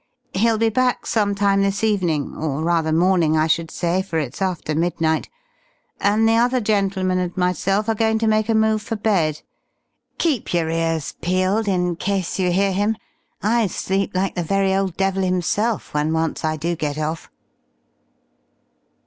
He'll be back some time this evening or rather morning, I should say, for it's after midnight and the other gentlemen and myself are going to make a move for bed. Keep your ears peeled in case you hear him. I sleep like the very old devil himself, when once I do get off."